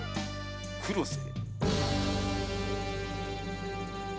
「黒瀬」？